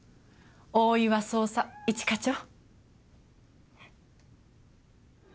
大岩捜査一課長。